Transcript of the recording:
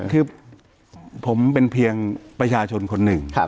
คือผมเป็นเพียงประชาชนคนหนึ่ง